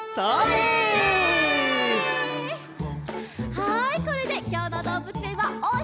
はいこれできょうのどうぶつえんはおしまい！